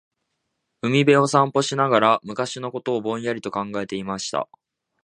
•海辺を散歩しながら、昔のことをぼんやりと考えていました。